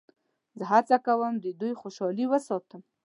زه هڅه کوم د دوی خوشحالي وساتم.